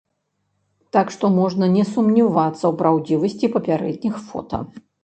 Так што можна не сумнявацца ў праўдзівасці папярэдніх фота.